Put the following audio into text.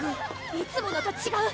いつものとちがう！